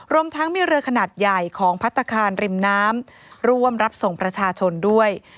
รวมทั้งมีเรือขนาดใหญ่ของพัฒนาคารริมน้ำร่วมรับส่งประชาชนด้วย